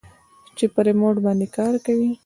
چې په ريموټ باندې کار کوي.